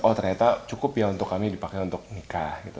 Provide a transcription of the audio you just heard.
oh ternyata cukup ya untuk kami dipakai untuk nikah gitu